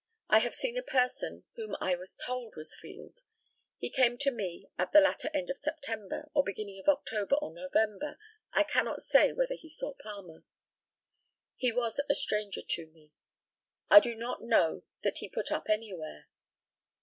I have seen a person whom I was told was Field. He came to me at the latter end of September, or beginning of October or November. I cannot say whether he saw Palmer. He was a stranger to me. I do not know that he put up anywhere.